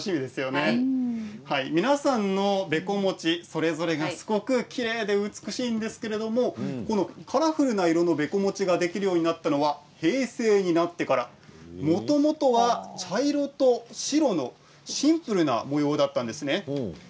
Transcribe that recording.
皆さんのべこもちがすごくきれいで美しいんですけれどカラフルな色のべこもちができるようになったのは平成になってからもともとは茶色と白のシンプルな模様だったんです。